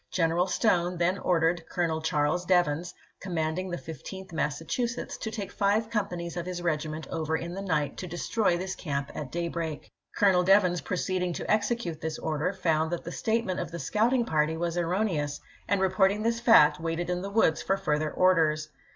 General Stone then ordered Colonel Charles Devens, com manding the Fifteenth Massachusetts, to take five companies of his regiment over in the night to destroy this camp at daybreak. Colonel Devens proceeding to execute this order found that the statement of the scouting party was erroneous, and reporting this fact waited in the woods for further orders.